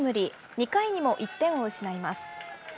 ２回にも１点を失います。